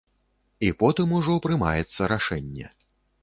І потым ужо прымаецца рашэнне.